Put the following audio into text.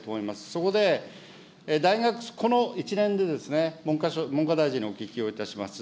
そこでこの１年で、文科大臣にお聞きをいたします。